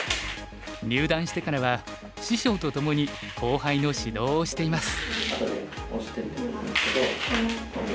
入段してからは師匠とともに後輩の指導をしています。